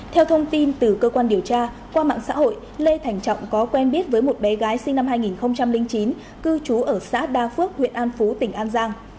theo thông tin từ cơ quan điều tra qua mạng xã hội lê thành trọng có quen biết với một bé gái sinh năm hai nghìn chín cư trú ở xã đa phước huyện an phú tỉnh an giang